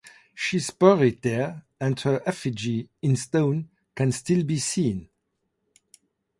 She is buried there and her effigy, in stone, can still be seen.